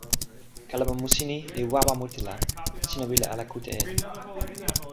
kalama musi ni li wawa mute la sina wile ala kute e ni.